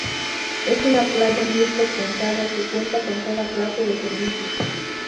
Es una playa muy frecuentada que cuenta con toda clase de servicios.